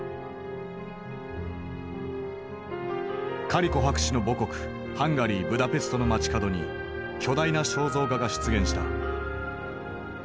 カリコ博士の母国ハンガリーブダペストの街角に巨大な肖像画が出現した。